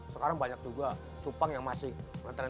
sekarang banyak juga cupang yang masih nonton terus